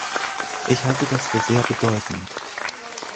Ich halte das für sehr bedeutend.